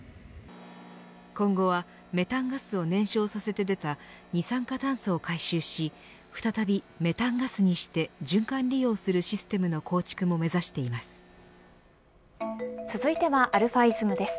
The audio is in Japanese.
今後はメタンガスを燃焼させて出た二酸化炭素を回収し再び、メタンガスにして循環利用するシステムの構築も目指しています。